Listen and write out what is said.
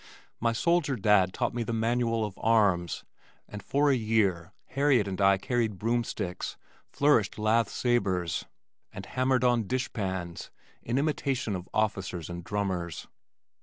My soldier dad taught me the manual of arms, and for a year Harriet and I carried broom sticks, flourished lath sabers, and hammered on dishpans in imitation of officers and drummers.